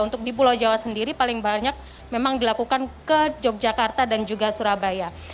untuk di pulau jawa sendiri paling banyak memang dilakukan ke yogyakarta dan juga surabaya